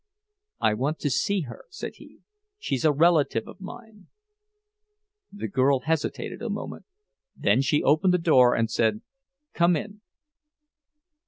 "I want to see her," said he; "she's a relative of mine." The girl hesitated a moment. Then she opened the door and said, "Come in."